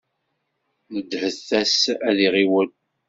Nedhet-as ad iɣiwel.